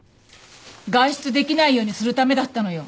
外出できないようにするためだったのよ。